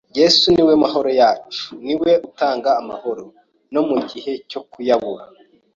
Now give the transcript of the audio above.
Yesu ni we mahoro yacu, niwe utanga amahoro no mu gihe cyo kuyabura